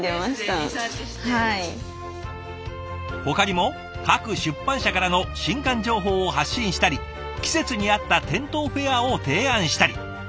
ほかにも各出版社からの新刊情報を発信したり季節に合った店頭フェアを提案したり。